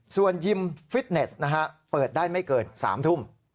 ส่วนยิมฟิตเนสเปิดได้ไม่เกิน๓ทุ่ม